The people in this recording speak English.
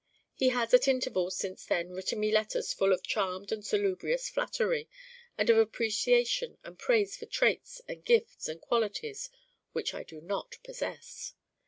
He has at intervals since then written me letters full of charmed and salubrious flattery and of appreciation and praise for traits and gifts and qualities which I do not possess.